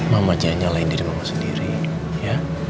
mama ja nyalahin diri mama sendiri ya